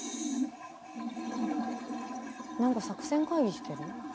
何か作戦会議してる？